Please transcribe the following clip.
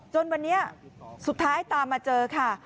จนวันนี้สุดท้ายตามมาเจอค่ะ